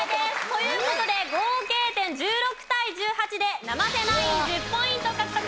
という事で合計点１６対１８で生瀬ナイン１０ポイント獲得です。